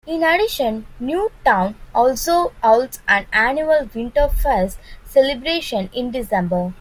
In addition Newtown also holds an annual Winterfest celebration in December.